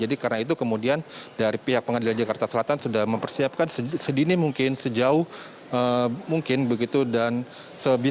jadi karena itu kemudian dari pihak pengadilan jakarta selatan sudah mempersiapkan sedini mungkin sejauh mungkin begitu dan sebisa mungkin